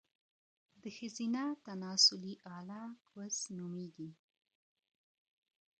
د ښځينه تناسلي اله، کوس نوميږي